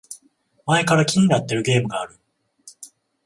前から気になってるゲームがある